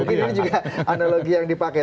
mungkin ini juga analogi yang dipakai